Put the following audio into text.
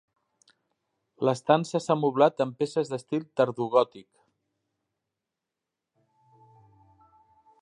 L'estança s'ha moblat amb peces d'estil tardogòtic.